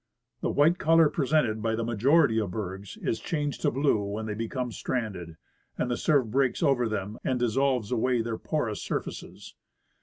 The white color presented by the majority of the bergs is changed to blue when they become stranded, and the surf breaks over them and dissolves away their porous surfaces.